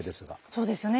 そうですよね。